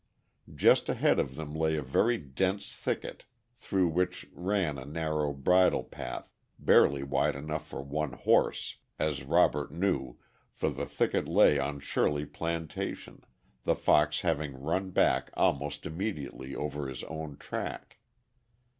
Just ahead of them lay a very dense thicket through which ran a narrow bridle path barely wide enough for one horse, as Robert knew, for the thicket lay on Shirley plantation, the fox having run back almost immediately over his own track.